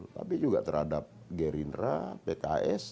tapi juga terhadap gerindra pks